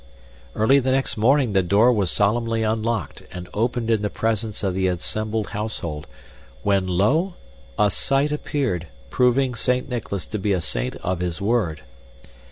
Early the next morning the door was solemnly unlocked and opened in the presence of the assembled household, when lo! a sight appeared, proving Saint Nicholas to be a saint of his word!